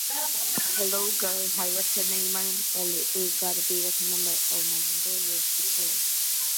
დაჯილდოებულია ლენინის ორდენით და ოქტომბრის რევოლუციის ორდენით.